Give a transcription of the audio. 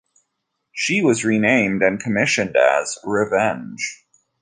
She was renamed and commissioned as "Revenge".